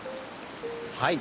はい。